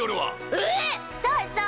えぇ⁉そうそう。